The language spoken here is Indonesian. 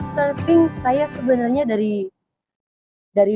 surfing saya sebenarnya dari